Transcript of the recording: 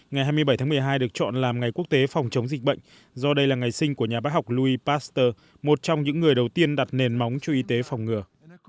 ngày hai mươi bảy tháng một mươi hai được chọn làm ngày quốc tế phòng chống dịch bệnh do đây là ngày sinh của nhà bác học louis pasteur một trong những người đầu tiên đặt nền móng cho y tế phòng ngừa